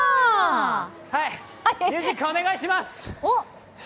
ミュージックお願いします。